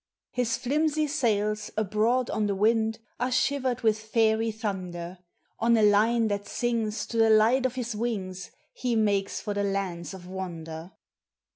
His flimsy sails abroad on the wind Are shivered with fairy thunder; On a line that sings to the light of his wings He makes for the lands of wonder.